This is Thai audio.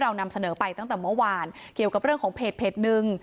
นำเสนอไปตั้งแต่เมื่อวานเกี่ยวกับเรื่องของเพจหนึ่ง